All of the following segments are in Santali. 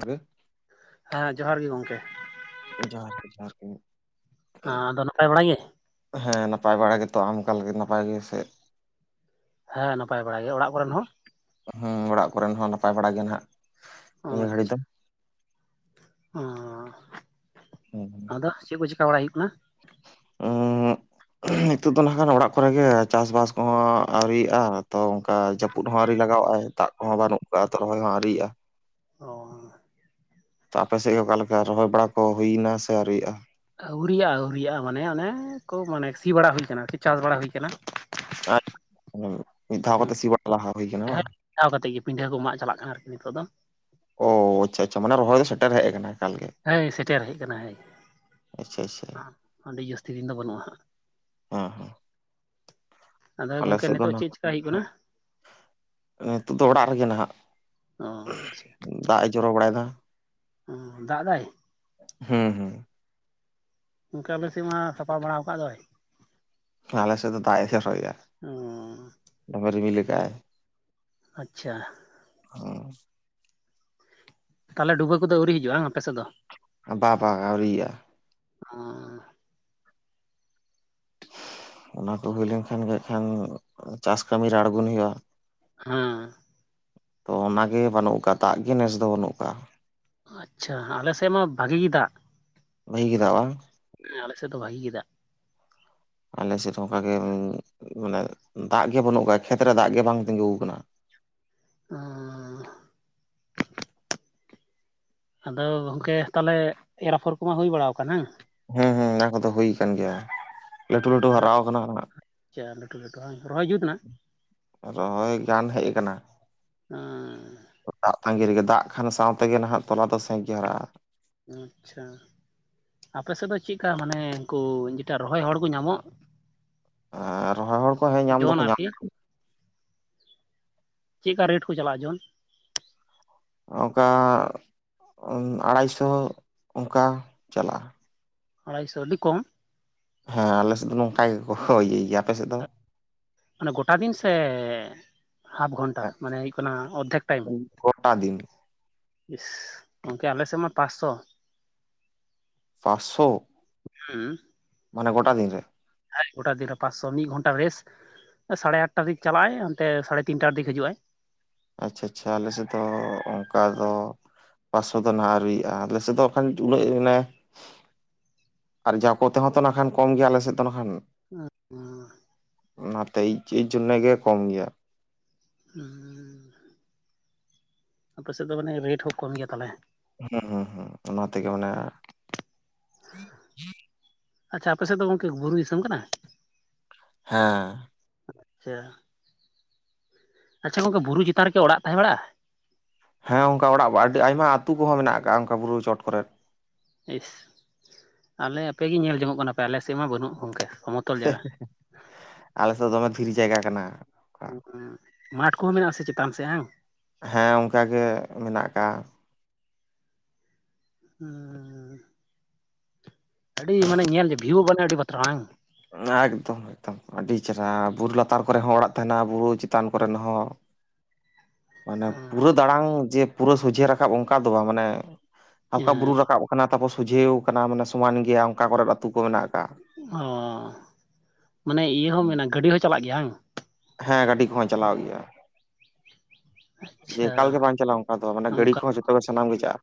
ᱜᱮ᱾ ᱦᱮᱸ ᱡᱚᱦᱟᱨ ᱜᱮ ᱜᱚᱝᱠᱮ ᱡᱚᱦᱟᱨ ᱜᱮ ᱡᱚᱦᱟᱨ ᱜᱮ ᱦᱮᱸ ᱟᱫᱚ ᱱᱟᱯᱟᱭ ᱵᱟᱲᱟᱭ ᱜᱮ ᱦᱮᱸ ᱱᱟᱯᱟᱭ ᱵᱟᱲᱟ ᱜᱮᱛᱚ ᱟᱢ ᱚᱠᱟᱞᱟᱜᱤ ᱱᱟᱯᱟᱭ ᱜᱮ ᱥᱮ ᱦᱮᱸ ᱱᱟᱯᱟᱭ ᱵᱟᱲ ᱜᱮᱭᱟ ᱚᱲᱟᱜ ᱠᱚᱨᱮᱱ ᱦᱚᱸ ᱦᱮᱸ ᱚᱲᱟᱜ ᱠᱚᱨᱮᱱ ᱦᱚᱸ ᱱᱟᱯᱟᱭ ᱵᱟᱲᱟ ᱜᱮ ᱱᱟᱜ ᱱᱤᱭᱟᱹ ᱜᱷᱟᱹᱲᱤ ᱫᱚ ᱚ ᱟᱫᱚ ᱪᱮᱫ ᱠᱚ ᱪᱤᱠᱟ ᱵᱟᱲᱟᱭ ᱦᱩᱭᱩᱜ ᱠᱟᱱᱟ? ᱚ [inaudible] ᱱᱤᱛᱚᱜ ᱫᱚ ᱱᱟᱦᱟᱸᱱ ᱚᱲᱟᱜ ᱠᱚᱨᱮ ᱜᱮ ᱪᱟᱥᱵᱟᱥ ᱠᱚᱦᱚᱸ ᱟᱹᱣᱨᱤᱭᱟᱜᱼᱟ ᱛᱚ ᱚᱱᱠᱟ ᱡᱟᱹᱯᱩᱫ ᱦᱚᱸ ᱟᱹᱣᱨᱤ ᱞᱟᱜᱟᱣᱼᱟᱭ ᱫᱟᱜ ᱠᱚᱦᱚᱸ ᱵᱟᱹᱱᱩᱜ ᱠᱟᱫᱟ ᱨᱚᱦᱚᱭ ᱦᱚᱸ ᱟᱹᱣᱨᱤᱭᱟᱜᱼᱟ ᱚ ᱟᱯᱮ ᱥᱮᱫ ᱜᱮ ᱚᱠᱟᱞᱮᱠᱟ ᱨᱚᱦᱚᱭ ᱵᱟᱲᱟ ᱠᱚ ᱦᱩᱭᱱᱟ ᱥᱮ ᱟᱹᱣᱨᱤᱭᱟᱜᱼᱟ ᱟᱹᱣᱨᱤᱭᱟᱜ ᱟᱹᱣᱨᱤᱭᱟᱜᱼᱟ ᱢᱟᱱᱮ ᱚᱱᱮ ᱠᱚ ᱢᱟᱱᱮ ᱥᱤ ᱵᱟᱲᱟ ᱦᱩᱭ ᱠᱟᱱᱟᱤ ᱪᱟᱥ ᱵᱟᱲᱟ ᱦᱩᱭ ᱟᱠᱟᱱᱟ ᱦᱮᱸ ᱪᱟᱣ [unintelligible] ᱠᱟᱛᱮᱫ ᱜᱮ ᱯᱤᱰᱷᱟᱹ ᱠᱚ ᱢᱟᱜ ᱪᱟᱞᱟᱜ ᱠᱟᱱᱟ ᱟᱨᱠᱤ ᱱᱤᱛᱚᱜ ᱫᱚ ᱚ ᱟᱪᱪᱷᱟ ᱟᱪᱪᱷᱟ ᱢᱟᱱᱮ ᱨᱚᱦᱚᱭ ᱫᱚ ᱥᱮᱴᱮᱨ ᱦᱮᱡ ᱟᱠᱟᱱᱟ ᱮᱠᱟᱞ ᱜᱮ ᱦᱮᱸ ᱥᱮᱴᱮᱨ ᱦᱮᱡ ᱟᱠᱟᱱᱟ ᱦᱮᱸ ᱟᱪᱪᱷᱟ ᱟᱪᱪᱷᱟ ᱟᱹᱰᱤ ᱡᱟᱹᱥᱛᱤ ᱫᱤᱱ ᱫᱚ ᱵᱟᱹᱱᱩᱜᱼᱟ ᱦᱟᱸᱜ ᱦᱮᱸ ᱦᱮᱸ ᱟᱫᱚ ᱟᱞᱮ ᱜᱚᱝᱠᱮ ᱥᱮᱫ ᱱᱤᱛᱚᱜ ᱪᱮᱫ ᱪᱮᱠᱟ ᱦᱩᱭᱩᱜ ᱠᱟᱱᱟ [unintelligible] ᱱᱤᱛᱳᱜ ᱫᱚ ᱚᱲᱟᱜ ᱨᱮᱜᱮ ᱱᱟᱟᱜ ᱚ ᱫᱟᱜ ᱮ ᱡᱚᱨᱚ ᱵᱟᱲᱟᱭᱮᱫᱟ ᱚ ᱫᱟᱜ ᱫᱟᱭ ᱦᱮᱸ ᱦᱮᱸ ᱚᱱᱠᱟ ᱟᱞᱮ ᱥᱮᱫ ᱢᱟ ᱥᱟᱯᱷᱟ ᱵᱟᱲᱟ ᱠᱟᱜ ᱫᱚᱭ ᱟᱞᱮ ᱥᱮᱫ ᱫᱚ ᱫᱟᱜ ᱮ ᱡᱚᱨᱚᱭᱮᱜ- ᱚ ᱟ ᱫᱚᱢᱮ ᱨᱤᱢᱤᱞ ᱠᱟᱜ-ᱟᱭ ᱟᱪᱪᱷᱟ ᱦ ᱛᱟᱦᱚᱞᱮ ᱰᱩᱵᱟᱹ ᱠᱚᱫᱚ ᱟᱹᱣᱨᱤ ᱦᱤᱡᱩᱜᱼᱟ [unintelligible] ᱵᱟ ᱵᱟ ᱟᱹᱣᱨᱤᱭᱟ ᱦ ᱚᱱᱟ ᱠᱚ ᱦᱩᱭ ᱞᱮᱱᱠᱷᱟᱱ ᱜᱮ ᱠᱷᱟᱱ ᱪᱟᱥ ᱠᱟᱹᱢᱤᱤᱨᱮ ᱟᱬᱜᱚᱱ ᱦᱩᱭᱩᱜᱼᱟ ᱦᱮᱸ ᱛᱚ ᱚᱱᱟᱜᱮ ᱵᱟᱹᱱᱩᱜ ᱠᱫᱟ ᱫᱟᱜ ᱜᱮ ᱱᱮᱥ ᱫᱚ ᱵᱟᱹᱱᱩᱜ ᱠᱟᱜ-ᱟ᱾ ᱟᱪᱪᱷᱟ ᱟᱞᱮᱥᱮᱫ ᱢᱟ ᱵᱷᱟᱜᱤ ᱫᱟᱜ [unintelligible] ᱵᱟᱝ ᱦᱮ ᱟᱞᱮ ᱥᱮᱫ ᱫᱚ ᱵᱷᱟᱜᱤ ᱜᱮ ᱫᱟᱜ ᱟᱞᱮ ᱥᱮᱫ ᱚᱱᱠᱟᱜᱮ ᱢᱟᱱᱮ ᱫᱟᱜ ᱜᱮ ᱵᱟᱹᱱᱩᱜ ᱟᱠᱟᱫᱟ ᱠᱷᱮᱛᱨᱮ ᱫᱟᱜ ᱜᱮ ᱵᱟᱝ ᱛᱤᱸᱜᱩ ᱟᱠᱟᱱᱟ [inaudible] [unintelligible] ᱟᱫᱚ ᱜᱚᱝᱠᱮ ᱛᱟᱦᱚᱞᱮ ᱮᱨᱟᱯᱷᱚᱨ ᱠᱚᱢᱟ ᱦᱩᱭ ᱵᱟᱲᱟ ᱠᱟᱱᱟ ᱦᱮᱸ ᱦᱮᱸ ᱚᱱᱟ ᱠᱚᱫᱚ ᱦᱩᱭ ᱟᱠᱟᱱ ᱜᱮᱭᱟ ᱞᱟᱹᱴᱩ ᱞᱟᱹᱴᱩ ᱵᱟᱝ ᱦᱟᱨᱟ ᱞᱟᱜ ᱠᱟᱱᱟ ᱚᱱᱟ ᱟᱪᱪᱷᱟ ᱞᱟᱹᱴᱩ ᱞᱟᱹᱴᱩ ᱵᱟᱝ ᱨᱚᱦᱚᱭ ᱡᱩᱛ ᱮᱱᱟ ᱨᱚᱦᱚᱭ ᱜᱟᱱ ᱦᱮᱡ ᱠᱟᱱᱟ ᱚᱸᱻ ᱫᱟᱜ ᱛᱟᱺᱜᱤ ᱨᱮᱜᱮ ᱫᱟᱜ ᱠᱷᱟᱱ ᱥᱟᱶ ᱛᱮᱜᱮ ᱱᱟᱦᱟᱜ ᱛᱚᱞᱟ ᱫᱚ ᱥᱮᱸᱠ ᱜᱮ ᱦᱟᱨᱟᱜ- ᱟ ᱟᱪᱪᱷᱟ ᱟᱯᱮ ᱥᱮᱫ ᱫᱚ ᱪᱮᱫᱠᱟ ᱢᱟᱱᱮ ᱩᱱᱠᱩ ᱡᱮᱴᱟ ᱨᱚᱦᱚᱭ ᱦᱚᱲ ᱠᱚ ᱧᱟᱢᱚᱜ ᱟᱨ ᱨᱚᱦᱚᱭ ᱦᱚᱲ ᱠᱚ ᱦᱮᱸ ᱧᱟᱢ ᱡᱚᱱ ᱫᱚᱠᱚ ᱧᱟᱢ ᱟᱨᱠᱤ ᱪᱮᱫᱠᱟ ᱨᱮᱴ ᱠᱚ ᱪᱟᱞᱟᱜᱼᱟ ᱡᱚᱱ ᱚᱱᱠᱟ ᱟᱲᱟᱭᱥᱚ ᱚᱱᱠᱟ ᱪᱟᱞᱟᱜᱼᱟ ᱟᱲᱟᱭᱥᱚ ᱟᱹᱰᱤ ᱠᱚᱢ ᱦᱮᱸ ᱟᱞᱮᱥᱮᱫ ᱫᱚ ᱱᱚᱝᱠᱟ ᱜᱮᱠᱚ ᱦᱚᱭᱟᱭᱟ ᱜᱮᱭᱟ ᱟᱯᱮ ᱥᱮᱫ ᱫᱚ ᱢᱟᱱᱮ ᱜᱚᱴᱟ ᱫᱤᱱ ᱥᱮ ᱦᱟᱯ ᱜᱷᱚᱱᱴᱟ ᱢᱟᱱᱮ ᱦᱩᱭᱩᱜ ᱠᱟᱱᱟ ᱚᱨᱫᱷᱮᱠ ᱴᱟᱭᱤᱢ ᱜᱚᱴᱟ ᱫᱤᱱ ᱤᱥ ᱜᱚᱢᱠᱮ ᱟᱞᱮ ᱥᱮᱫ ᱢᱟ ᱯᱟᱸᱥᱥᱚ ᱯᱟᱸᱟᱥᱳ ᱦᱮᱸ ᱢᱟᱱᱮ ᱜᱚᱴᱟ ᱫᱤᱱ ᱨᱮ ᱜᱚᱴᱟ ᱫᱤᱱ ᱨᱮ ᱯᱟᱸᱪᱥᱚ ᱢᱤᱫ ᱜᱷᱚᱱᱴᱟ ᱨᱮᱥᱴ ᱥᱟᱲᱮ ᱟᱴᱴᱟ ᱫᱤᱠ ᱪᱟᱞᱟᱜᱼ ᱟᱭ ᱚᱱᱛᱮ ᱥᱟᱲᱮ ᱛᱤᱱᱴᱟ ᱫᱤᱠᱮ ᱦᱤᱡᱩᱜᱼ ᱟᱭ ᱟᱪᱪᱷᱟ ᱟᱪᱪᱷᱟ ᱟᱞᱮ ᱥᱮᱫ ᱫᱚ ᱚᱱᱠᱟ ᱫᱚ ᱯᱟᱥᱥᱳ ᱫᱚ ᱱᱟᱦᱟᱜ ᱟᱹᱨᱩᱭᱼᱟ ᱟᱞᱮ ᱥᱮᱫ ᱫᱚᱠᱷᱟᱱ ᱩᱱᱟᱹᱜ ᱢᱟᱱᱮ ᱟᱨ ᱡᱟ ᱠᱚᱛᱮᱦᱚᱸ ᱛᱚ ᱱᱟᱠᱷᱟᱱ ᱠᱚᱢ ᱜᱮᱭᱟ ᱟᱞᱮ ᱥᱮᱫ ᱫᱚ ᱠᱷᱟᱱ ᱚ [unintelligible] ᱮᱭᱡᱚᱱᱱ ᱜᱮ ᱠᱚᱢ ᱜᱮᱭᱟ ᱩ ᱟᱯᱮ ᱥᱮᱫ ᱫᱚ ᱢᱟᱱᱮ ᱨᱮᱴ ᱦᱚᱸ ᱠᱚᱢ ᱜᱮᱭᱟ ᱛᱟᱦᱟᱞᱮ ᱦᱩᱸ ᱦᱩᱸ ᱦᱩᱸ ᱚᱱᱟ ᱛᱮᱜᱮ ᱢᱟᱱᱮ ᱟᱪᱪᱷᱟ ᱟᱯᱮ ᱥᱮᱫ ᱫᱚ ᱜᱚᱢᱠᱮ ᱵᱩᱨᱩ ᱫᱤᱥᱚᱢ ᱠᱟᱱᱟ ᱦᱮᱸ ᱟᱪᱪᱷᱟ ᱟᱪᱪᱷᱟ ᱜᱚᱝᱠᱮ ᱵᱩᱨᱩ ᱪᱮᱛᱟᱱ ᱨᱮᱜᱮ ᱚᱲᱟᱜ ᱛᱟᱦᱮᱸ ᱵᱟᱲᱟᱜᱼᱟ ᱦᱮᱸ ᱚᱱᱠᱟ ᱚᱲᱟᱜ ᱟᱹᱰᱤ ᱟᱭᱢᱟ ᱟᱹᱛᱩ ᱠᱚᱦᱚᱸ ᱢᱮᱱᱟᱜ ᱟᱠᱟᱫ ᱚᱱᱠᱟ ᱵᱩᱨᱩ ᱪᱚᱴ ᱠᱚᱨᱮᱫ ᱤᱥ ᱟᱞᱮ ᱟᱯᱮᱜ ᱜᱮ ᱧᱮᱞ ᱡᱚᱝᱚᱜ ᱠᱟᱱᱟ ᱯᱮ ᱟᱞᱮᱥᱮᱫ ᱢᱟ ᱵᱟᱹᱱᱩᱜ ᱜᱚᱝᱠᱮ ᱥᱚᱢᱚᱛᱚᱞ ᱡᱟᱭᱜᱟ ᱟᱞᱮ ᱥᱮᱫ ᱫᱚ ᱫᱚᱢᱮ ᱫᱷᱤᱨᱤ ᱡᱟᱭᱜᱟ ᱠᱟᱱᱟ ᱢᱟᱴᱷ ᱠᱚᱦᱚᱸ ᱢᱮᱱᱟᱜ ᱟᱥᱮ ᱪᱮᱛᱟᱱ ᱥᱮᱫ ᱵᱟᱝᱟᱝ ᱦᱮᱸ ᱚᱱᱠᱟᱜᱮ ᱢᱮᱱᱟᱜ ᱠᱟᱜ-ᱟ ᱟᱹᱰᱤ ᱢᱟᱱᱮ ᱧᱮᱞ ᱵᱷᱤᱭᱩ ᱵᱟᱱᱮ ᱟᱹᱰᱤ ᱵᱟᱛᱨᱚ ᱵᱟᱝ ᱮᱠᱫᱚᱢ ᱮᱠᱫᱚᱢ ᱟᱹᱰᱤ ᱪᱮᱦᱨᱟ ᱵᱩᱨᱩ ᱞᱟᱛᱟᱨ ᱠᱚᱨᱮ ᱦᱚᱸ ᱚᱲᱟᱜ ᱛᱟᱦᱮᱱᱟ ᱵᱩᱨᱩ ᱪᱮᱛᱟᱱ ᱠᱚᱨᱮᱱ ᱦᱚᱸ ᱢᱟᱱᱮ ᱯᱩᱨᱟᱹ ᱫᱟᱬᱟᱝ ᱡᱮ ᱯᱩᱨᱟᱹ ᱥᱚᱡᱷᱮ ᱨᱟᱠᱟᱵ ᱚᱱᱠᱟ ᱫᱚ ᱵᱟᱝ ᱢᱟᱱᱮ ᱦᱟᱞᱠᱟ ᱵᱩᱨᱩ ᱨᱟᱠᱟᱵ ᱠᱟᱱᱟ ᱛᱟᱨᱯᱚᱨ ᱥᱚᱡᱷᱮᱣ ᱠᱟᱱᱟ ᱢᱟᱱᱮ ᱥᱚᱢᱟᱱ ᱜᱮᱭᱟ ᱚᱱᱠᱟ ᱠᱚᱨᱮ ᱟᱹᱛᱩ ᱠᱚ ᱢᱮᱱᱟᱜ ᱠᱚᱣᱟ ᱚ ᱢᱟᱱᱮ ᱤᱭᱟᱹ ᱦᱚᱸ ᱢᱮᱱᱟ ᱜᱟᱹᱰᱤ ᱦᱚᱸ ᱪᱟᱞᱟᱜ ᱜᱮᱭᱟ ᱵᱟᱝ ᱦᱮᱸ ᱜᱟᱹᱰᱤ ᱠᱚᱦᱚ ᱪᱟᱞᱟᱣ ᱜᱮᱭᱟ ᱡᱮ ᱟᱪᱪᱷᱟ ᱮᱠᱟᱞ ᱜᱮ ᱵᱟᱝ ᱪᱟᱞᱟᱜᱼᱟ ᱚᱱᱠᱟ ᱫᱚ ᱢᱟᱱᱮ ᱜᱟᱹᱰᱤ ᱚᱱᱠᱟ ᱠᱚᱦᱚᱸ ᱡᱚᱛᱚᱜ ᱜᱮ ᱥᱟᱱᱟᱢ ᱜᱮ ᱪᱟᱜᱼᱟ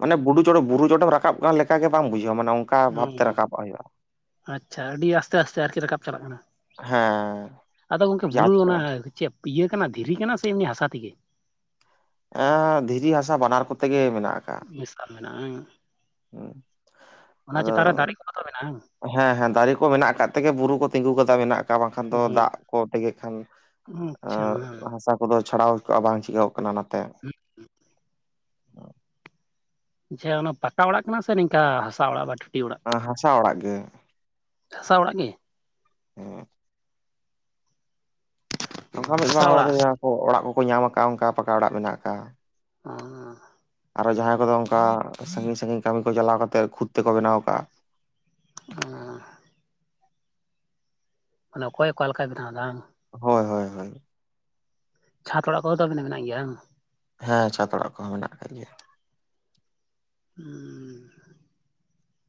ᱢᱟᱱᱮ ᱵᱩᱨᱩ ᱪᱚᱴᱮ ᱵᱩᱨᱩ ᱪᱚᱴᱮᱢ ᱨᱟᱠᱟᱵ ᱠᱟᱱ ᱞᱮᱠᱟ ᱜᱮ ᱵᱟᱝ ᱵᱩᱡᱷᱟᱹᱜ ᱡᱮ ᱢᱟᱱᱮ ᱚᱱᱠᱟ ᱚ ᱵᱷᱟᱵᱛᱮ ᱨᱟᱠᱟᱵᱚᱜ ᱦᱩᱭᱩᱜᱼᱟ ᱟᱪᱪᱷᱟ ᱟᱹᱰᱤ ᱟᱥᱛᱮ ᱟᱥᱛᱮ ᱟᱨᱠᱤ ᱨᱟᱠᱟᱵ ᱪᱟᱞᱟᱜ ᱠᱟᱱᱟ ᱦᱮᱸ ᱟᱫᱚ ᱜᱚᱝᱠᱮ ᱡᱮ ᱵᱩᱨᱩ ᱚᱱᱟ ᱟᱪᱠᱟ ᱪᱮᱫ ᱤᱭᱟᱹ ᱠᱟᱱᱟ ᱫᱷᱤᱨᱤ ᱠᱟᱱᱟ ᱥᱮ ᱮᱢᱱᱤ ᱦᱟᱥᱟ ᱛᱮᱜᱮ ᱫᱷᱤᱨᱤ ᱦᱟᱥᱟ ᱵᱟᱱᱟᱨ ᱠᱚᱛᱮ ᱜᱮ ᱢᱮᱱᱟᱜᱼᱟ ᱢᱮᱥᱟ ᱢᱮᱱᱟᱜᱼᱟ ᱚᱱᱟ ᱟᱫᱚ ᱪᱮᱛᱟᱱ ᱨᱮ ᱫᱟᱨᱮ ᱠᱚᱫᱚ ᱢᱮᱱᱟᱜᱼᱟ ᱦᱮᱸ ᱦᱮᱸ ᱫᱟᱨᱮ ᱠᱚ ᱢᱮᱱᱟᱜ ᱠᱟᱜ ᱛᱮᱜᱮ ᱵᱩᱨᱩ ᱠᱚ ᱛᱤᱸᱜᱩ ᱠᱟᱛᱮ ᱢᱮᱱᱟᱜ ᱟᱠᱟᱫ ᱵᱟᱝᱠᱷᱟᱱ ᱫᱚ ᱵᱟᱝ ᱫᱟᱜ ᱠᱚ ᱛᱮᱸᱜᱮᱫ ᱠᱷᱟᱱ ᱦᱩᱸ ᱟᱪᱪᱷᱟ ᱦᱮᱸ ᱦᱟᱥᱟ ᱠᱚᱫᱚ ᱪᱷᱟᱲᱟᱣ ᱵᱟᱝ ᱪᱤᱠᱟᱹᱣ ᱠᱟᱱᱟ ᱚᱱᱟᱛᱮ ᱡᱮ ᱚᱱᱟ ᱯᱟᱠᱟ ᱚᱲᱟᱜ ᱠᱟᱱᱟ ᱥᱮ ᱱᱤᱝᱠᱟ ᱦᱟᱥᱟ ᱚᱲᱟᱜ ᱵᱟᱴ ᱦᱟᱥᱟ ᱚᱲᱟᱜ ᱜᱮ ᱦᱟᱥᱟ ᱚᱲᱟᱜ ᱜᱮ ᱦᱮᱸ ᱚ ᱚᱝᱠᱟ ᱢᱤᱫ ᱵᱟᱨ ᱦᱟᱥᱟ ᱦᱚᱲ ᱫᱚ ᱚᱲᱟᱜ ᱡᱟᱦᱟᱸ ᱠᱚ ᱚᱲᱟᱜ ᱠᱚᱠᱚ ᱧᱟᱢ ᱟᱠᱟᱫ ᱚᱱᱠᱟ ᱯᱟᱠᱟ ᱚᱲᱟᱜ ᱢᱮᱱᱟᱜ ᱠᱟᱜ-ᱟ [unintelligible] ᱟᱨ ᱡᱟᱦᱟᱸᱭ ᱠᱚᱫᱚ ᱚᱱᱠᱟ ᱥᱟᱹᱜᱤᱧ ᱥᱟᱹᱜᱤᱧ ᱠᱟᱹᱢᱤ ᱠᱚ ᱪᱟᱞᱟᱣ ᱠᱟᱛᱮ ᱠᱷᱩᱫᱽ ᱛᱮᱠᱚ ᱵᱮᱱᱟᱣ ᱠᱟᱜᱼᱟ [unintelligible] ᱢᱟᱱᱮ ᱚᱠᱚᱭᱮ ᱚᱠᱟ ᱞᱮᱠᱟ ᱵᱮᱱᱟ ᱫᱟ ᱵᱟᱝ ᱦᱳᱭ ᱦᱳ ᱦᱳ ᱪᱷᱟᱸᱛ ᱚᱲᱟᱜ ᱠᱚᱦᱚ ᱛᱚ ᱟᱵᱤᱱᱟᱜ ᱢᱮᱱᱟᱜ ᱜᱮᱭᱟ ᱵᱟᱝ ᱦᱮᱸ ᱪᱷᱟᱛ ᱚᱲᱟᱜ ᱠᱚᱦᱚᱸ ᱢᱮᱱᱟᱜ ᱠᱟᱜ ᱜᱮᱭᱟ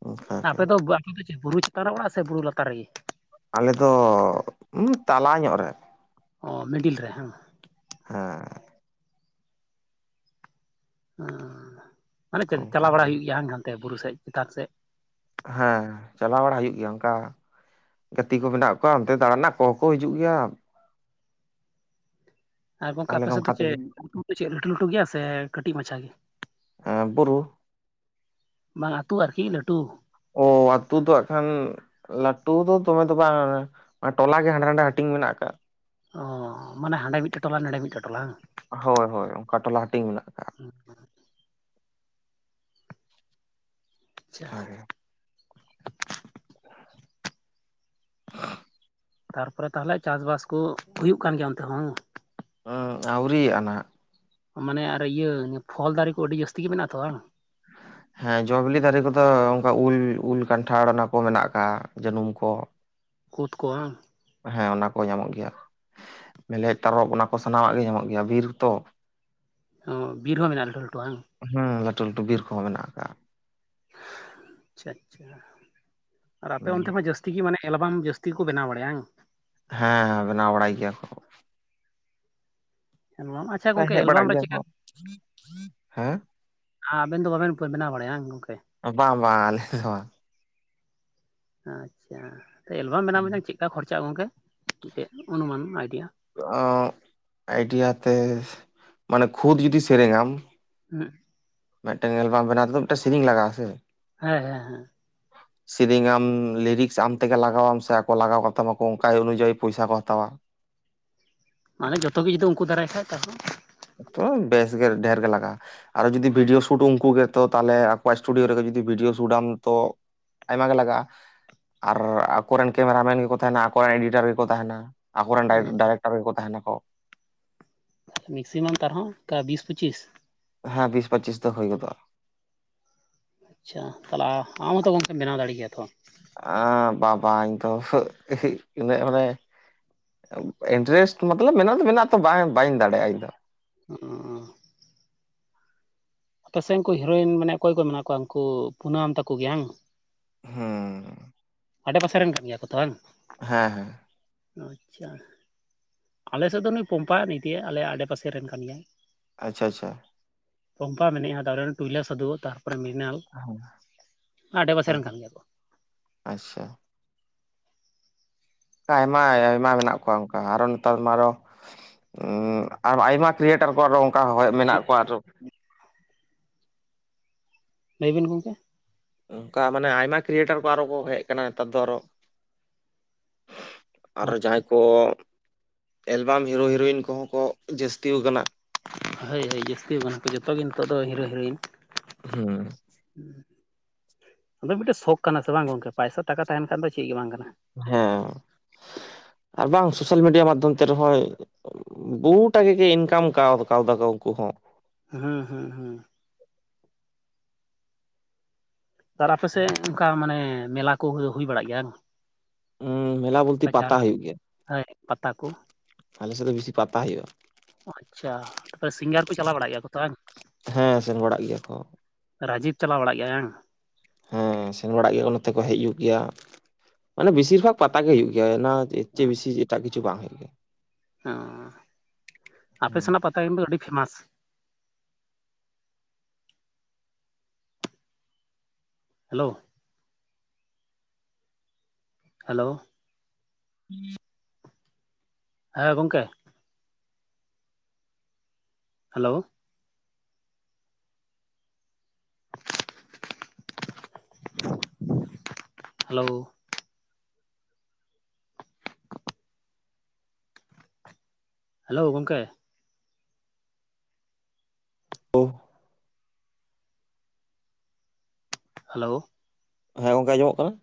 ᱚᱱᱠᱟ ᱜᱮ ᱟᱯᱮ ᱫᱚ ᱟᱯᱮ ᱫᱚ ᱵᱩᱨᱩ ᱪᱮᱛᱟᱱ ᱨᱮ ᱚᱲᱟᱜ ᱥᱮ ᱵᱩᱨᱩ ᱞᱟᱛᱟᱨ ᱨᱮᱜᱮ ᱟᱞᱮ ᱫᱚ [unintelligible] ᱛᱟᱞᱟ ᱧᱚᱜ ᱨᱮ ᱚ ᱢᱤᱰᱤᱞ ᱨᱮ ᱦᱮᱸ ᱦᱮᱸ ᱦᱮᱸ ᱢᱟᱱᱮ ᱪᱮᱫ ᱚᱱᱠᱟ ᱪᱟᱞᱟᱣ ᱵᱟᱲᱟ ᱦᱩᱭᱩᱜ ᱜᱮᱭᱟ ᱦᱟᱱᱛᱮ ᱵᱩᱨᱩ ᱥᱮᱫ ᱪᱮᱛᱟᱱ ᱥᱮᱫ ᱦᱮᱸ ᱪᱟᱞᱟᱣ ᱵᱟᱲᱟ ᱦᱩᱭᱩᱜ ᱜᱮᱭᱟ ᱚᱱᱠᱟ ᱜᱟᱛᱮ ᱠᱚ ᱢᱮᱱᱟᱜ ᱠᱚᱣᱟ ᱚᱱᱛᱮ ᱫᱟᱬᱟᱱ ᱨᱮᱱᱟᱜ ᱠᱚᱦᱚᱸ ᱠᱚ ᱦᱤᱡᱩᱜ ᱜᱮᱭᱟ ᱟᱨ ᱜᱚᱝᱠᱮ ᱛᱟᱦᱚᱞᱮ ᱟᱯᱮ ᱥᱮᱫ ᱫᱚ ᱱᱚᱝᱠᱟ ᱪᱮᱫ ᱛᱮᱜᱮ ᱫᱚ ᱪᱮᱫ ᱞᱟᱹᱴᱩ ᱞᱟᱹᱴᱩ ᱜᱮᱭᱟ ᱥᱮ ᱠᱟᱹᱴᱤᱡ ᱢᱟᱪᱷᱟ ᱜᱮ ᱮᱸ ᱵᱩᱨᱩ ᱵᱟᱝ ᱟᱹᱛᱩ ᱟᱨᱠᱤ ᱞᱟᱹᱴᱩ ᱚᱛᱳ ᱫᱚ ᱟᱠᱷᱟᱱ ᱞᱟᱹᱴᱩ ᱫᱚ ᱫᱚᱢᱮ ᱫᱚ ᱵᱟᱝ ᱴᱚᱞᱟ ᱜᱮ ᱦᱟᱸᱰᱮ ᱱᱟᱸᱰᱮ ᱦᱟᱹᱴᱤᱧ ᱢᱮᱱᱟᱜ ᱠᱟᱜ-ᱟ ᱚᱻᱚ ᱢᱟᱱᱮ ᱟᱸᱰᱮ ᱢᱤᱫᱴᱮᱡ ᱴᱚᱞᱟ ᱱᱚᱰᱮ ᱢᱤᱫᱴᱮᱡ ᱴᱚᱞᱟ ᱦᱮᱵᱟᱝ ᱦᱳᱭ ᱦᱳᱭ ᱚᱱᱠᱟ ᱴᱚᱞᱟ ᱦᱟᱹᱴᱤᱧ ᱢᱮᱱᱟᱜᱼᱟ ᱟᱪᱪᱷᱟ ᱚᱝᱠᱟ ᱜᱮ [inaudible] ᱛᱟᱨᱯᱚᱨᱮ ᱛᱟᱦᱞᱮ ᱪᱟᱥᱵᱟᱥ ᱠᱚ ᱦᱩᱭᱩᱜ ᱠᱟᱱ ᱜᱮᱭᱟ ᱚᱱᱛᱮ ᱦᱚᱸ ᱦᱩᱸ ᱟᱹᱨᱤ ᱟᱱᱟ ᱢᱟᱱᱮ ᱟᱨ ᱤᱭᱟᱹ ᱯᱷᱚᱞ ᱫᱟᱨᱮ ᱠᱚ ᱟᱹᱰᱤ ᱡᱟᱹᱥᱛᱤ ᱜᱮ ᱢᱮᱱᱟᱜ ᱛᱚ ᱵᱟᱝ ᱦ [unintelligible] ᱦᱮᱸ ᱡᱚ ᱵᱤᱞᱤ ᱫᱟᱨᱮ ᱠᱚᱫᱚ ᱚᱱᱠᱟ ᱩᱞ ᱩᱞ ᱠᱟᱱᱴᱷᱟᱲ ᱚᱱᱟ ᱠᱚ ᱢᱮᱱᱟᱜ ᱟᱠᱟᱫ ᱡᱟᱹᱱᱩᱢ ᱠᱚ ᱠᱩᱫ ᱠᱚ ᱦᱟᱝ ᱦᱮᱸ ᱚᱱᱟ ᱠᱚ ᱧᱟᱢᱚᱜ ᱜᱮᱭᱟ ᱢᱮᱞᱦᱮᱫ ᱛᱟᱨᱚᱵ ᱚᱱᱟ ᱠᱚ ᱥᱟᱱᱟᱢᱟᱜ ᱜᱮ ᱧᱟᱢᱚᱜ ᱜᱮᱭᱟ ᱵᱤᱨ ᱛᱚ ᱵᱤᱨ ᱦᱚᱸ ᱢᱮᱱᱟᱜᱼᱟ ᱞᱟᱹᱴᱩ ᱞᱟᱹᱴᱩ ᱵᱟᱝ ᱦᱩᱸ ᱞᱟᱹᱴᱩ ᱞᱟᱹᱴᱩ ᱵᱤᱨ ᱠᱚᱦᱚᱸ ᱢᱮᱱᱟᱜ ᱟᱠᱟᱜᱼᱟ ᱟᱪᱪᱷᱟ ᱟᱪᱪᱷᱟ ᱟᱨ ᱟᱯᱮ ᱚᱱᱛᱮ ᱢᱟ ᱡᱟᱹᱥᱛᱤ ᱜᱮ ᱢᱟᱱᱮ ᱧᱮᱞ ᱟᱵᱟᱢ ᱡᱟᱹᱥᱛᱤ ᱠᱚ ᱵᱮᱱᱟᱣ ᱵᱟᱲᱟᱭᱼᱟ ᱝᱟᱝ ᱦᱮᱸ ᱵᱮᱱᱟᱣ ᱵᱟᱲᱟᱭ ᱜᱮᱭᱟ ᱠᱚ ᱮᱞᱵᱟᱢ ᱟᱪᱪᱷᱟ ᱜᱚᱝᱠᱮ ᱦᱮᱡ ᱵᱟᱲᱟᱜ ᱮᱞᱵᱟᱢ ᱨᱮ ᱜᱮᱭ ᱪᱮᱫᱠᱟ ᱦᱮᱸ ᱟᱵᱮᱱ ᱫᱚ ᱵᱟᱵᱮᱱ ᱵᱮᱱᱟᱣ ᱵᱟᱲᱟᱭᱟ ᱜᱚᱝᱠᱮ ᱵᱟᱝ ᱵᱟᱝ ᱟᱞᱮ ᱫᱚ ᱵᱟᱝ ᱟᱪᱪᱷᱟ ᱮᱞᱵᱟᱢ ᱵᱮᱱᱟᱣ ᱢᱮᱱᱟ ᱪᱮᱫᱞᱮᱠᱟ ᱠᱷᱚᱨᱪᱟ ᱟᱪᱟᱜ ᱜᱚᱢᱠᱮ ᱢᱤᱫᱴᱮᱱ ᱩᱱᱩᱢᱟᱱ ᱟᱭᱰᱤᱭᱟ ᱟᱭᱰᱤᱭᱟ ᱛᱮ ᱢᱟᱱᱮ ᱠᱷᱩᱫ ᱡᱩᱫᱤ ᱥᱮᱨᱮᱧᱟᱢ ᱦᱮᱸ ᱢᱤᱫᱴᱟᱝ ᱮᱞᱵᱟᱢ ᱵᱮᱱᱟᱣ ᱛᱮᱫᱚ ᱢᱤᱫᱴᱟᱝ ᱥᱮᱨᱮᱧ ᱞᱟᱜᱟᱜ ᱟᱥᱮ ᱦᱮᱸ ᱦᱮᱸ ᱦᱮᱸ ᱥᱮᱨᱮᱧ ᱟᱢ ᱞᱤᱨᱤᱠᱥ ᱟᱢ ᱛᱮᱜᱮ ᱞᱟᱜᱟᱣᱟᱢ ᱥᱮ ᱟᱠᱚ ᱞᱟᱜᱟᱣ ᱠᱟᱛᱟᱢᱟ ᱚᱱᱠᱟ ᱚᱱᱩᱡᱟᱭᱤ ᱯᱚᱭᱥᱟ ᱠᱚ ᱦᱟᱛᱟᱣᱟ ᱢᱟᱱᱮ ᱡᱚᱛᱚᱜᱮ ᱡᱩᱚᱫᱤ ᱩᱱᱠᱩ ᱫᱟᱨᱟᱭ ᱠᱷᱟᱡ ᱛᱟᱦᱚᱞᱮ ᱛᱚ ᱵᱮᱥ ᱜᱮ ᱰᱷᱮᱨ ᱜᱮ ᱞᱟᱜᱼᱟ ᱟᱨ ᱡᱩᱫᱤ ᱵᱷᱤᱰᱤᱭᱳ ᱥᱩᱴ ᱩᱱᱠᱩ ᱜᱮᱛᱚ ᱛᱟᱦᱚᱞᱮ ᱟᱠᱚᱣᱟᱜ ᱥᱴᱩᱰᱤᱭᱳ ᱨᱮᱜᱮ ᱡᱤ ᱵᱷᱤᱰᱭᱳ ᱥᱩᱴ ᱟᱢ ᱛᱚ ᱟᱭᱢᱟ ᱜᱮ ᱞᱟᱜᱟᱜᱼᱟ ᱟᱨ ᱟᱠᱚᱨᱮᱱ ᱠᱮᱢᱮᱨᱟ ᱢᱮᱱ ᱜᱮᱠᱚ ᱛᱟᱦᱮᱱᱟ ᱟᱠᱚᱨᱮᱱ ᱮᱰᱤᱴᱟᱨ ᱜᱮᱠᱚ ᱛᱟᱦᱮᱱᱟ ᱟᱠᱚᱨᱮᱱ ᱰᱟᱭᱨᱮᱠᱴᱟᱨ ᱜᱮᱠᱚ ᱛᱟᱦᱮᱱᱟᱠᱚ ᱢᱮᱠᱥᱤᱢᱟᱢ ᱛᱟᱨᱦᱚᱸ ᱚᱱᱠᱟ ᱵᱤᱥ ᱯᱚᱸᱪᱤᱥ ᱦᱮᱸ ᱵᱤᱥ ᱯᱚᱸᱪᱤᱥ ᱫᱚ ᱦᱩᱭ ᱜᱚᱫᱚᱼᱟᱜ ᱟᱪᱪᱷᱟ ᱛᱟᱦᱚᱞᱮ ᱟᱢᱦᱚᱛᱚ ᱜᱚᱝᱠᱮᱢ ᱵᱮᱱᱟᱣ ᱫᱟᱲᱮ ᱠᱮᱭᱟ ᱛᱚ ᱵᱟ ᱵᱟ ᱤᱧ ᱫᱚ ᱤᱱᱟᱹ ᱢᱟᱱᱮ [unintelligible] ᱤᱱᱴᱟᱨᱮᱥᱴ ᱢᱚᱛᱞᱚᱵ ᱢᱮᱱᱟᱜ ᱫᱚ ᱢᱮᱱᱟᱜᱛᱚ ᱵᱟᱝ ᱵᱟᱹᱧ ᱫᱟᱲᱮᱭᱟᱜᱼᱟ ᱤᱧ ᱫᱚ ᱚ ᱯᱟᱥᱮᱡ ᱩᱱᱠᱩ ᱦᱤᱨᱳᱭᱤᱱ ᱢᱟᱱᱮ ᱚᱠᱚᱭ ᱠᱚ ᱢᱮᱱᱟᱜ ᱠᱚᱣᱟ ᱩᱱᱠᱩ ᱯᱩᱱᱟᱹᱢ ᱛᱟᱠᱚ ᱜᱮ ᱦᱟᱝ ᱦᱮᱸ ᱟᱰᱮ ᱯᱟᱥᱮ ᱨᱮᱱ ᱢᱮᱱᱟᱜ ᱜᱮᱭᱟ ᱠᱚ ᱛᱚ ᱵᱟᱝ ᱦᱮᱸ ᱦᱮᱸ ᱟᱪᱪᱷᱟ ᱟᱞᱮᱥᱮᱫ ᱫᱚ ᱱᱩᱭ ᱯᱚᱢᱯᱟ ᱱᱩᱭ ᱫᱤᱭᱮ ᱟᱞᱮ ᱟᱰᱮ ᱯᱟᱥᱮ ᱨᱮᱱ ᱠᱟᱱ ᱜᱮᱭᱟᱭ ᱟᱪᱪᱷᱟ ᱟᱪᱪᱷᱟ ᱯᱟᱢᱯᱟ ᱢᱮᱱᱟᱜᱼᱟᱼᱟ ᱛᱟᱨᱚᱨᱮ ᱴᱩᱭᱞᱞᱟ ᱥᱟᱹᱫᱩᱜ ᱛᱚᱨ ᱛᱟᱨᱯᱚᱨᱮ ᱢᱨᱤᱱᱟᱞ ᱟᱰᱮ ᱯᱟᱥᱮ ᱦᱮᱸ ᱨᱮᱱ ᱠᱟᱱ ᱜᱮᱭᱟ ᱠᱚ ᱟᱪᱪᱷᱟ ᱟᱭᱢᱟ ᱟᱭᱢᱟ ᱢᱮᱱᱟᱜ ᱠᱚᱣᱟ ᱚᱱᱠᱟ ᱟᱨᱚ ᱱᱮᱛᱟᱨ ᱢᱟ ᱟᱨᱚ ᱟᱨ ᱟᱭᱢᱟ ᱠᱨᱤᱭᱮᱴᱟᱨ ᱠᱚ ᱟᱨᱚ ᱚᱱᱠᱟ ᱦᱚᱭ ᱢᱮᱱᱟᱜ ᱠᱚᱣᱟ ᱟᱨ ᱞᱟᱹᱭ ᱵᱤᱱ ᱜᱚᱢᱠᱮ ᱚᱱᱠᱟ ᱢᱟᱱᱮ ᱟᱭᱢᱟ ᱠᱮᱨᱤᱭᱮᱴᱟᱨ ᱠᱚ ᱟᱨᱚ ᱠᱚ ᱦᱮᱡ ᱟᱠᱟᱱᱟ ᱱᱮᱛᱟᱨ ᱫᱚ ᱟᱨᱚ ᱟᱨᱚ ᱡᱟᱦᱟᱸᱭ ᱠᱚ ᱮᱞᱵᱟᱢ ᱦᱤᱨᱳ ᱦᱤᱨᱳᱭᱤᱱ ᱠᱚᱦᱚᱸ ᱠᱚ ᱡᱟᱹᱥᱛᱤ ᱟᱠᱟᱱᱟ ᱦᱳᱭ ᱦᱳᱭ ᱡᱟᱹᱥᱛᱤ ᱟᱠᱟᱱᱟᱠᱚ ᱡᱚᱛᱚᱜ ᱜᱮ ᱱᱤᱛᱚᱜ ᱫᱚ ᱦᱤᱨᱳ ᱦᱤᱨᱳᱭᱤᱱ ᱦᱮᱸ ᱟᱫᱚ ᱢᱤᱫᱴᱮᱡ ᱥᱚᱠᱷ ᱠᱟᱱᱟ ᱥᱮ ᱵᱟᱝ ᱜᱚᱝᱠᱮ ᱯᱚᱭᱥᱟ ᱴᱟᱠᱟ ᱛᱟᱦᱮᱱ ᱠᱷᱟᱱ ᱫᱚ ᱪᱮᱫ ᱜᱮ ᱵᱟᱝ ᱠᱟᱱᱟ ᱦᱮᱸ ᱟᱨ ᱵᱟᱝ ᱥᱳᱥᱟᱞ ᱢᱤᱰᱤᱭᱟ ᱢᱟᱫᱽᱫᱷᱚᱢ ᱛᱮ ᱨᱮᱦᱚᱸ ᱵᱚᱦᱩᱴᱟᱠᱟ ᱜᱮ ᱤᱱᱠᱟᱢ ᱠᱟᱣ ᱠᱟᱣᱫᱟ ᱠᱚ ᱩᱱᱠᱩ ᱦᱚᱸ ᱦᱮᱸ ᱦᱮᱸ ᱦᱮᱸ ᱟᱨ ᱟᱯᱮᱥᱮᱫ ᱚᱱᱠᱟ ᱢᱟᱱᱮ ᱢᱮᱞᱟ ᱠᱚ ᱦᱩᱭ ᱵᱟᱲᱟᱜ ᱜᱮᱭᱟ ᱦᱟᱸᱜ ᱦᱮᱸ ᱢᱮᱞᱟ ᱵᱚᱞᱛᱮ ᱯᱟᱛᱟ ᱦᱩᱭᱩᱜ ᱜᱮᱭᱟ ᱦᱳᱭ ᱯᱟᱛᱟ ᱠᱚ ᱟᱞᱮ ᱥᱮᱫ ᱫᱚ ᱵᱮᱥᱤ ᱯᱟᱛᱟ ᱦᱩᱭᱩᱜ-ᱟ ᱟᱪᱪᱷᱟ ᱛᱚ ᱥᱤᱝᱜᱟᱨ ᱠᱚ ᱪᱟᱞᱟᱣ ᱵᱟᱲᱟᱜ ᱜᱮᱭᱟ ᱠᱚ ᱛᱚ ᱦᱟᱝ ᱦᱮᱸ ᱥᱮᱱ ᱵᱟᱲᱟᱜ ᱜᱮᱭᱟ ᱠᱚ ᱨᱟᱡᱤᱵ ᱪᱟᱞᱟᱣ ᱵᱟᱲᱟᱜ ᱜᱮᱭᱟᱭ ᱦᱟᱝ ᱦᱮᱸ ᱥᱮᱱ ᱵᱟᱲᱟᱜ ᱜᱮᱭᱟ ᱠᱚ ᱱᱚᱛᱮ ᱠᱚ ᱦᱮᱡᱩᱜ ᱜᱮᱭᱟ ᱢᱟᱱᱮ ᱵᱮᱥᱤᱨ ᱵᱷᱟᱜᱽ ᱯᱟᱛᱟ ᱜᱮ ᱦᱩᱭᱩᱜ ᱜᱮᱭᱟ ᱚᱱᱟ ᱦᱚᱛᱮᱛ ᱪᱮ ᱵᱮᱥᱤ ᱮᱴᱟᱜ ᱠᱤᱪᱩ ᱵᱟᱝ ᱦᱩᱭᱩᱜ ᱜᱮ ᱦᱟᱸ ᱟᱯᱮ ᱦᱩᱸ ᱥᱮᱱᱟᱜ ᱯᱟᱛᱟ ᱠᱤᱱᱛᱩ ᱟᱹᱰᱤ ᱯᱷᱮᱢᱟᱥ ᱦᱮᱞᱳ ᱦᱮᱞᱳ [unintelligible] ᱦᱮᱸ ᱜᱚᱝᱠᱮ ᱦᱮᱞᱳ ᱦᱮᱞᱳ ᱦᱮᱞᱳ ᱜᱚᱝᱠᱮ ᱳ ᱦᱮᱞᱳ ᱦᱮᱸ ᱜᱚᱢᱠᱮ ᱟᱸᱡᱚᱢᱚᱜ ᱠᱟᱱᱟ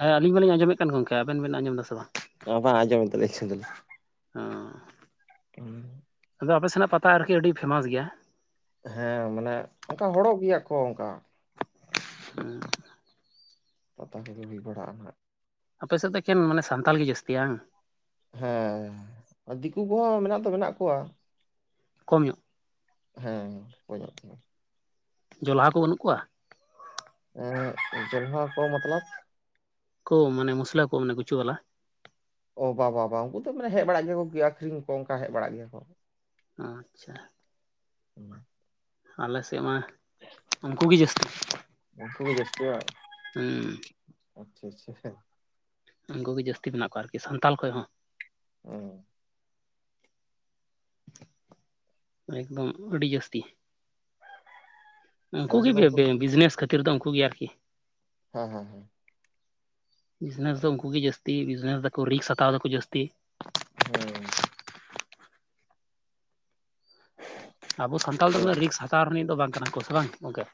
ᱦᱮᱸ ᱟᱹᱞᱤᱧ ᱢᱟᱸᱞᱤᱧ ᱟᱸᱡᱚᱢᱮᱫ ᱠᱟᱱ ᱜᱚᱢᱠᱮ ᱟᱵᱮᱱ ᱵᱮᱱ ᱟᱸᱡᱚᱢ ᱫᱟᱥᱮ ᱵᱟᱝ ᱚ ᱵᱟᱝ ᱟᱸᱡᱚᱢᱮᱫ ᱫᱟᱞᱤᱧ ᱦᱩᱸ ᱚ ᱟᱫᱚ ᱟᱯᱮ ᱥᱮᱱᱟᱜ ᱯᱟᱛᱟ ᱟᱨᱠᱤ ᱟᱹᱰᱤ ᱯᱷᱮᱢᱟᱥ ᱜᱮᱭᱟ ᱦᱮᱸ ᱢᱟᱱᱮ ᱚᱱᱠᱟ ᱦᱚᱲᱚᱜ ᱜᱮᱭᱟ ᱠᱚ ᱚᱱᱠᱟ ᱦᱮᱸ ᱯᱟᱛᱟ ᱠᱚᱜᱮ ᱦᱚᱭ ᱵᱟᱲᱟ ᱦᱟᱸᱜ-ᱟ [inaudible] ᱟᱯᱮ ᱥᱮᱫ ᱫᱚ ᱮᱠᱷᱮᱱ ᱢᱟᱱᱮ ᱥᱟᱱᱛᱟᱞ ᱜᱮ ᱡᱟᱥᱛᱤ ᱦᱟᱝ ᱦᱮᱸ ᱫᱤᱠᱩ ᱠᱚᱦᱚᱸ ᱢᱮᱱᱟᱜ ᱫᱚ ᱢᱮᱱᱟᱜ ᱠᱚᱣᱟ ᱠᱚᱢ ᱧᱚᱜ ᱦᱮᱸ ᱠᱚᱢ ᱧᱚᱜ ᱜᱮᱦᱟᱸ ᱡᱚᱞᱦᱟ ᱠᱚ ᱵᱟᱹᱱᱩᱜ ᱠᱚᱣᱟ ᱡᱚᱞᱦᱟ ᱠᱚ ᱢᱚᱛᱞᱚᱵ ᱠᱚ ᱢᱟᱱᱮ ᱢᱩᱥᱞᱟ ᱠᱚ ᱢᱟᱱᱮ ᱜᱩᱪᱩ ᱵᱟᱞᱟ ᱚ ᱵᱟᱵᱟᱵᱟ ᱩᱱᱠᱩ ᱫᱚ ᱢᱟᱱᱮ ᱦᱮᱡ ᱵᱟᱲᱟᱜ ᱜᱮᱭᱟ ᱠᱚ ᱟᱠᱷᱨᱤᱧ ᱠᱚ ᱚᱱᱠᱟ ᱦᱮᱡ ᱵᱟᱲᱟᱜ ᱜᱮᱭᱟ ᱠᱚ ᱟᱪᱪᱷᱟ ᱦᱮᱸ [inaudible] ᱟᱞᱮ ᱥᱮᱫ ᱢᱟ ᱩᱱᱠᱩ ᱜᱮ ᱡᱟᱹᱥᱛᱤ ᱩᱱᱠᱩ ᱜᱮ ᱡᱟᱹᱥᱛᱤ ᱵᱟᱝ? ᱦᱮᱸ ᱟᱪᱪᱷᱟ ᱟᱪᱪᱷᱟ [inaudible] ᱩᱱᱠᱩᱜᱮ ᱡᱟᱹᱥᱛᱤ ᱢᱮᱱᱟᱜ ᱠᱚᱣᱟ ᱟᱨᱠᱤ ᱥᱟᱱᱛᱟᱞ ᱠᱷᱚᱡ ᱦᱚᱸ ᱚ ᱮᱠᱫᱚᱢ ᱟᱹᱰᱤ ᱡᱟᱹᱥᱛᱤ ᱩᱱᱠᱩ ᱟᱞᱮ ᱜᱮ ᱥᱮᱫ ᱫᱚ ᱫᱚ ᱵᱤᱡᱽᱱᱮᱥ ᱠᱷᱟᱹᱛᱤᱨ ᱫᱚ ᱩᱱᱠᱩ ᱜᱮ ᱟᱨᱠᱤ ᱦᱮᱸ ᱦᱮᱸ ᱦᱮᱸ ᱵᱤᱡᱽᱱᱮᱥ ᱫᱚ ᱩᱱᱠᱩ ᱜᱮ ᱡᱟᱹᱥᱛᱤ ᱵᱤᱡᱱᱮᱥ ᱫᱟᱠᱚ ᱨᱤᱠᱥ ᱦᱟᱛᱟᱣ ᱫᱟᱠᱚ ᱡᱟᱹᱥᱛᱤ ᱦᱮᱸ ᱟᱵᱚ ᱥᱟᱱᱛᱟᱲ ᱫᱚ ᱟᱞᱮ ᱩᱱᱟᱹᱜ ᱨᱤᱠᱥ ᱦᱟᱛᱟᱣ ᱨᱤᱱᱤᱡ ᱫᱚ ᱵᱟᱝ ᱠᱟᱱᱟ ᱠᱚ ᱥᱮ ᱵᱟᱝ ᱜᱚᱝᱠᱮ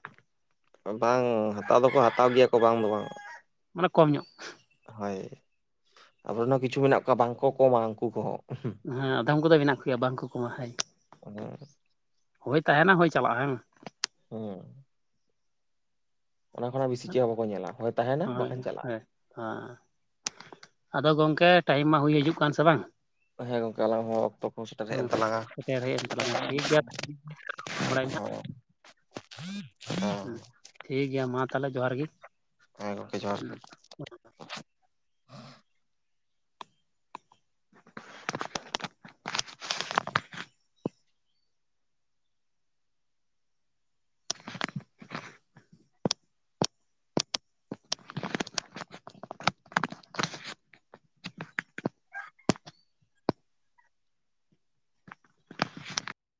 ᱵᱟᱝ ᱦᱟᱛᱟᱣ ᱫᱚᱠᱚ ᱦᱟᱛᱟᱣ ᱜᱮᱭᱟ ᱠᱚ ᱵᱟᱝ ᱫᱚ ᱵᱟᱝ ᱢᱟᱱᱮ ᱠᱚᱢ ᱧᱚᱜ ᱦᱳᱭ ᱟᱵᱚᱨᱮᱱ ᱠᱤᱪᱷᱩ ᱢᱮᱱᱟᱜ ᱠᱚᱣᱟ ᱵᱟᱝᱠᱚ ᱠᱚᱢᱟ ᱩᱱᱠᱩ ᱠᱚᱦᱚᱸ ᱦᱮᱸ ᱟᱫᱚᱢ ᱠᱚᱫᱚ ᱢᱮᱱᱟᱜ ᱠᱚᱭᱟ ᱵᱟᱝ ᱠᱚ ᱠᱚᱢᱟ ᱦ ᱦᱮᱸ ᱦᱳᱭ ᱛᱟᱦᱮᱸᱱᱟ ᱦᱳᱭ ᱪᱟᱞᱟᱜᱼᱟ [unintelligible] ᱦᱮᱸ ᱚᱱᱟ ᱠᱷᱚᱱᱟᱜ ᱵᱮᱥᱤ [unintelligible] ᱪᱮᱫ ᱦᱚᱸ ᱵᱟᱠᱚ ᱧᱮᱞᱟ ᱦᱳᱭ ᱛᱟᱦᱮᱱᱟ ᱵᱟᱠᱷᱟᱱ ᱪᱟᱞᱟᱜᱼᱟ ᱟᱫᱚ ᱜᱚᱝᱠᱮ ᱴᱟᱭᱤᱢ ᱢᱟ ᱦᱩᱭ ᱦᱤᱡᱩᱜ ᱠᱟᱱ ᱥᱮ ᱵᱟᱝ ᱦᱮᱸ ᱜᱚᱝᱠᱮ ᱟᱞᱟᱝ ᱦᱚᱸ ᱚᱠᱛᱚ ᱠᱚᱦ ᱥᱮᱴᱮᱨ ᱦᱮᱡ ᱦᱮᱸ ᱮᱱ ᱛᱟᱞᱟᱝᱟ ᱥᱮᱴᱮᱨ ᱦᱮᱡ ᱮᱱ ᱛᱟᱞᱟᱝᱟ ᱴᱷᱤᱠ ᱜᱮᱭᱟ ᱦᱮᱸ [unintelligible] ᱦ ᱴᱷᱤᱠ ᱜᱮᱭᱟ ᱢᱟ ᱛᱟᱦᱞᱮ ᱡᱚᱦᱟᱨ ᱜᱮ ᱦᱮᱸ ᱜᱚᱢᱠᱮ ᱡᱚᱦᱟᱨ ᱦᱩᱸ ᱜᱮ᱾